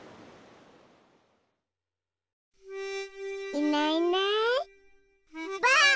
いないいないばあっ！